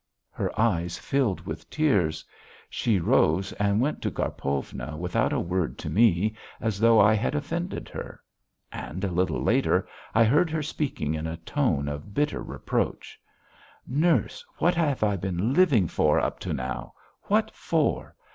Her eyes filled with tears. She rose and went to Karpovna without a word to me, as though I had offended her. And a little later I heard her speaking in a tone of bitter reproach. "Nurse, what have I been living for, up to now? What for?